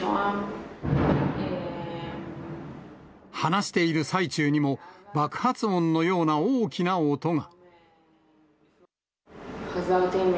話している最中にも、爆発音のような大きな音が。